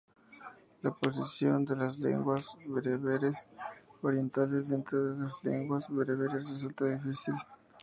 La posición de las lenguas bereberes orientales dentro de las lenguas bereberes resulta difícil.